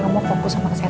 gue mulakan dari senin